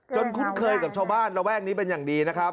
คุ้นเคยกับชาวบ้านระแวกนี้เป็นอย่างดีนะครับ